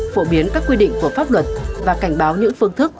phổ biến các quy định của pháp luật và cảnh báo những phương thức